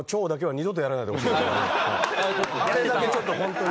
あれだけちょっとホントに。